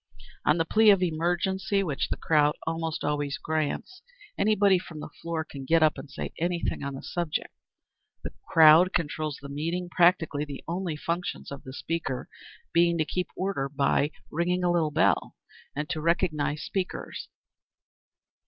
On the plea of "emergency," which the crowd almost always grants, anybody from the floor can get up and say anything on any subject. The crowd controls the meeting, practically the only functions of the speaker being to keep order by ringing a little bell, and to recognise speakers.